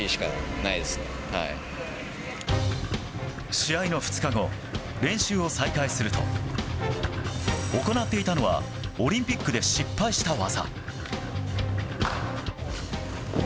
試合の２日後練習を再開すると行っていたのはオリンピックで失敗した技。